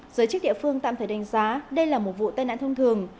giới chức địa phương tạm thời đánh giá đây là một vụ tai nạn thông thường